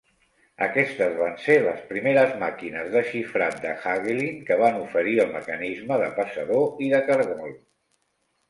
Aquestes van ser les primeres màquines de xifrat de Hagelin que van oferir el mecanisme de passador i de cargol.